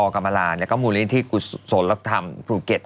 กรรมลาแล้วก็มูลนิธิกุศลธรรมภูเก็ต